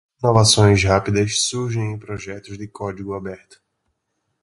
Inovações rápidas surgem em projetos de código aberto.